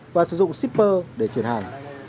và sử dụng shipper để truyền hàng